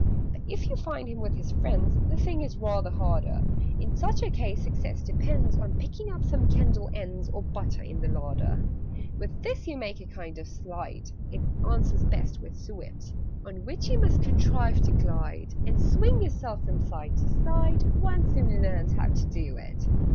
"But if you find him with his friends, The thing is rather harder. In such a case success depends On picking up some candle ends, Or butter, in the larder. "With this you make a kind of slide (It answers best with suet), On which you must contrive to glide, And swing yourself from side to side One soon learns how to do it.